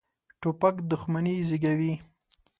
توپک دښمني زېږوي.